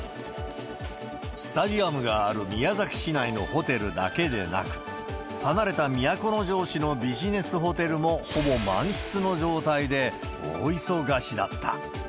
スタジアムがある宮崎市内のホテルだけでなく、離れた都城市のビジネスホテルもほぼ満室の状態で大忙しだった。